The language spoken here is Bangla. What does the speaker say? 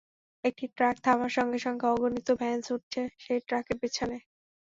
একটি ট্রাক থামার সঙ্গে সঙ্গে অগণিত ভ্যান ছুটছে সেই ট্রাকের পেছনে।